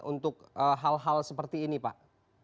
untuk hal hal seperti ini pak